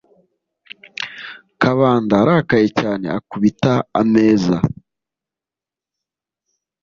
kabanda arakaye cyane akubita ameza